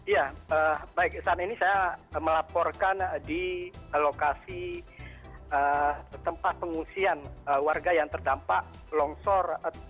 ya baik saat ini saya melaporkan di lokasi tempat pengungsian warga yang terdampak longsor